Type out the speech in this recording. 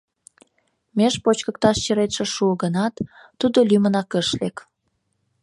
Меж почкыкташ черетше шуо гынат, тудо лӱмынак ыш лек.